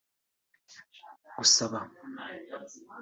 Gusaba